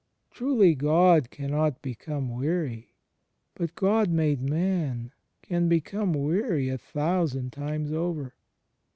Truly God cannot become weary; but God made man can become weary a thousand times over.